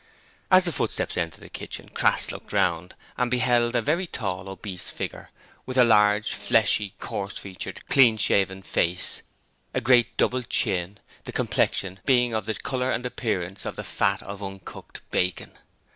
As the footsteps entered the kitchen, Crass looked round and beheld a very tall, obese figure, with a large, fleshy, coarse featured, clean shaven face, and a great double chin, the complexion being of the colour and appearance of the fat of uncooked bacon.